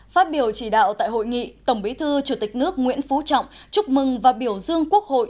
phát biểu chỉ đạo tại hội nghị tổng bí thư chủ tịch nước nguyễn phú trọng chúc mừng và biểu dương quốc hội